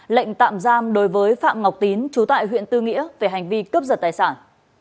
lệnh tạm giam đối với phạm ngọc tín trú tại huyện tư nghĩa về hành vi cướp giật tài sản